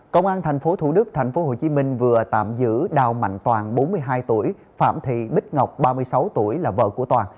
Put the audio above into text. công an tp thủ đức tp hcm vừa tạm giữ đào mạnh toàn bốn mươi hai tuổi phạm thị bích ngọc ba mươi sáu tuổi là vợ của toàn